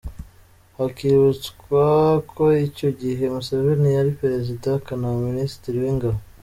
Hakibutswa ko icyo gihe Museveni yari perezida akanaba minisitiri w’ingabo.